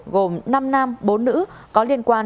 gồm năm nam bốn nữ có liên quan